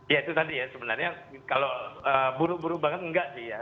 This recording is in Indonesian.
ya itu tadi ya sebenarnya kalau buruk buruk banget enggak sih ya